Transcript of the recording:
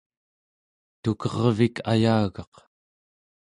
tukervik ayagaq